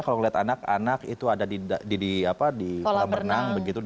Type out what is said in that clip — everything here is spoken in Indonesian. kalau melihat anak anak itu ada di kolam berenang